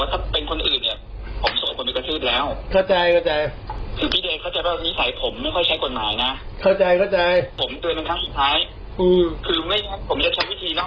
ให้หยุดทุกคนว่าไม่งั้นผมจัดจานหมดทุกคนจริง